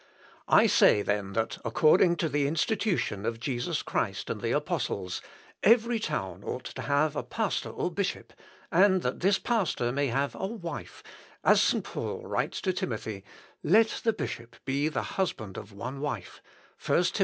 I say, then, that according to the institution of Jesus Christ and the apostles, every town ought to have a pastor or bishop, and that this pastor may have a wife, as St. Paul writes to Timothy, "Let the bishop be the husband of one wife," (1 Tim.